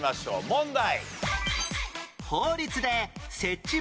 問題。